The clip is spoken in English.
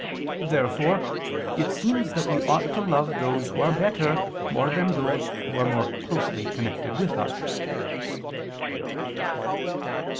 Therefore it seems that we ought to love those who are better more than those who are more closely connected with us.